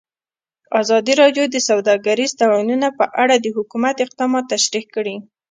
ازادي راډیو د سوداګریز تړونونه په اړه د حکومت اقدامات تشریح کړي.